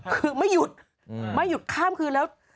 ก็ไม่หยุดข้ามคืน